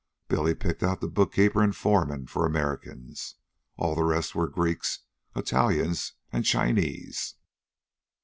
Billy picked out the bookkeepers and foremen for Americans. All the rest were Greeks, Italians, and Chinese.